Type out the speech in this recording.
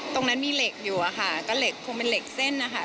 ตรงนั้นมีเหล็กอยู่อะค่ะก็เหล็กคงเป็นเหล็กเส้นนะคะ